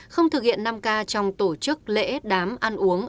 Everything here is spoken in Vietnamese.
không thực hiện năm k trong tổ chức lễ đám ăn uống